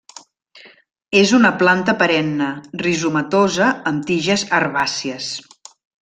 És una planta perenne; rizomatosa amb tiges herbàcies.